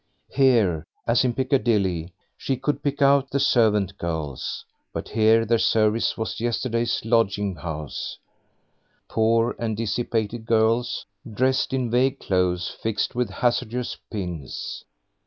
Here, as in Piccadilly, she could pick out the servant girls; but here their service was yesterday's lodging house poor and dissipated girls, dressed in vague clothes fixed with hazardous pins.